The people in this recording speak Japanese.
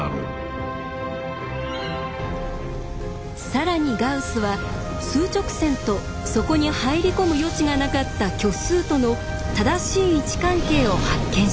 更にガウスは数直線とそこに入り込む余地がなかった虚数との正しい位置関係を発見します。